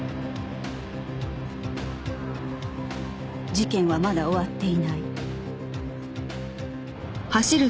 事件はまだ終わっていない